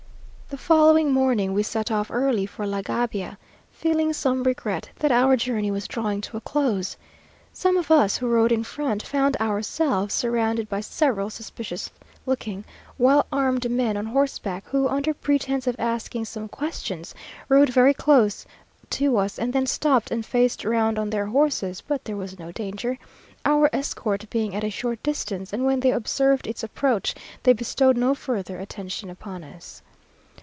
The following morning we set off early for La Gabia, feeling some regret that our journey was drawing to a close. Some of us, who rode in front, found ourselves surrounded by several suspicious looking, well armed men on horseback, who, under pretence of asking some questions, rode very close to us, and then stopped and faced round on their horses but there was no danger, our escort being at a short distance, and when they observed its approach, they bestowed no further attention upon us.